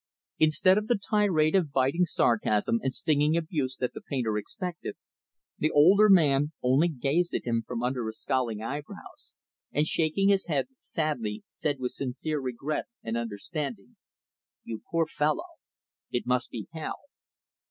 Instead of the tirade of biting sarcasm and stinging abuse that the painter expected, the older man only gazed at him from under his scowling brows and, shaking his head, sadly, said with sincere regret and understanding "You poor fellow! It must be hell."